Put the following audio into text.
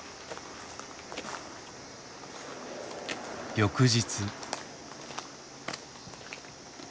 翌日。